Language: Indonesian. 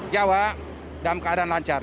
jawa dalam keadaan lancar